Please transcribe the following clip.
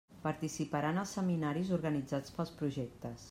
Participarà en els seminaris organitzats pels projectes.